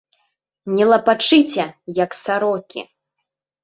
Не лапачыце, як сарокі!